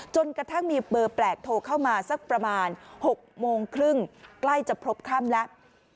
จนกระทั่งมีเบอร์แปลกโทรเข้ามาสักประมาณ๖โมงครึ่งใกล้จะพบค่ำแล้ว